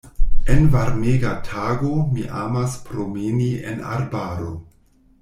En varmega tago mi amas promeni en arbaro.